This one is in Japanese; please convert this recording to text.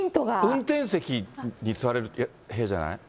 運転席に座れる部屋じゃない？